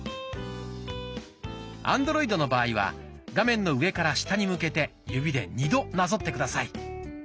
アンドロイドの場合は画面の上から下に向けて指で２度なぞって下さい。